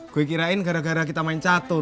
gue kirain gara gara kita main catur